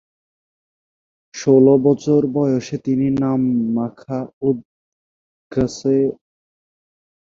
ষোল বছর বয়সে তিনি নাম-ম্খা'-'ওদ-গ্সালের নিকট হতে ভিক্ষুর শপথ গ্রহণ করেন।